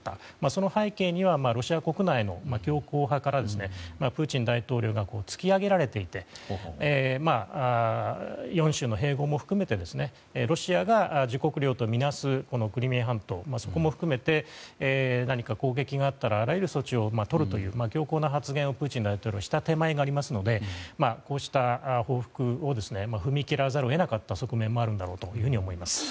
その背景にはロシア国内の強硬派からプーチン大統領が突き上げられていて４州の併合も含めてロシアが自国領とみなすクリミア半島そこも含めて何か攻撃があったらあらゆる措置をとるという強硬な発言をプーチン大統領がした手前がありますのでこうした報復を踏み切らざるを得なかった側面もあるんだろうと思います。